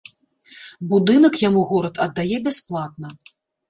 Будынак яму горад аддае бясплатна.